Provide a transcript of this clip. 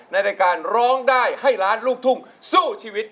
ในรายการร้องได้ให้ล้านลูกทุ่งสู้ชีวิต